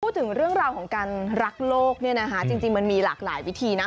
พูดถึงเรื่องราวของการรักโลกเนี่ยนะคะจริงมันมีหลากหลายวิธีนะ